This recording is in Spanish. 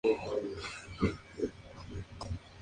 En zonas cálidas tienen mucho color.